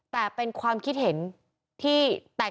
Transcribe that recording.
แต่เป็นความคิดเห็นที่แตก